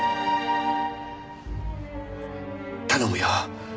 頼むよ。